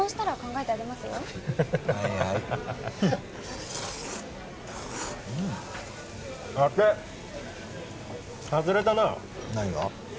当て外れたな何が？